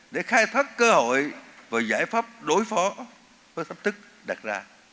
để khai thác cơ hội và giải pháp đối phó với thách thức đặt ra